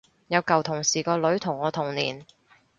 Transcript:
有舊同事個女同我同年